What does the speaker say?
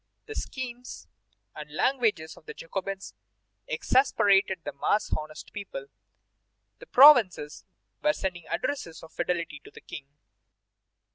The schemes and language of the Jacobins exasperated the mass of honest people. The provinces were sending addresses of fidelity to the King.